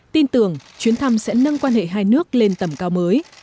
tin tưởng chuyến thăm sẽ nâng quan hệ hai nước lên tầm cao mới